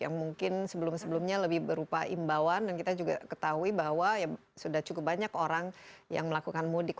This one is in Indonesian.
yang mungkin sebelum sebelumnya lebih berupa imbauan dan kita juga ketahui bahwa sudah cukup banyak orang yang melakukan mudik